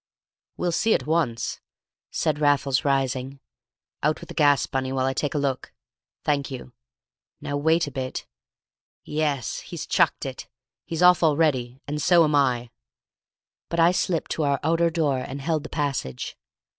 We'll see at once," said Raffles, rising. "Out with the gas, Bunny, while I take a look. Thank you. Now wait a bit ... yes! He's chucked it; he's off already; and so am I!" But I slipped to our outer door, and held the passage.